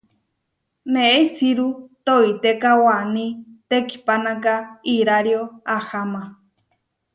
Neé isiru toitéka waní tekihpánaka irario ahama.